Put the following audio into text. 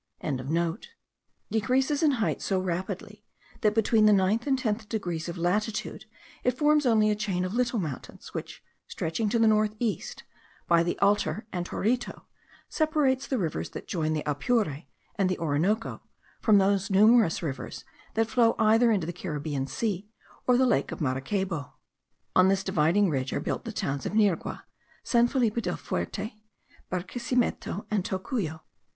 decreases in height so rapidly, that, between the ninth and tenth degrees of latitude, it forms only a chain of little mountains, which, stretching to the north east by the Altar and Torito, separates the rivers that join the Apure and the Orinoco from those numerous rivers that flow either into the Caribbean Sea or the lake of Maracaybo. On this dividing ridge are built the towns of Nirgua, San Felipe el Fuerte, Barquesimeto, and Tocuyo.